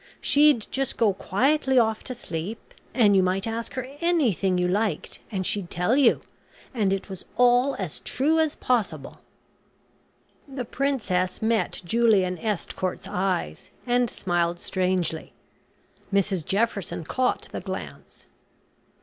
She'd just go quietly off to sleep, and you might ask her anything you liked, and she'd tell you; and it was all as true as possible." The princess met Julian Estcourt's eyes, and smiled strangely. Mrs Jefferson caught the glance.